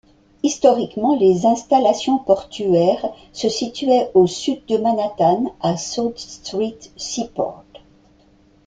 Historiquement, les installations portuaires se situaient au sud de Manhattan, à South Street Seaport.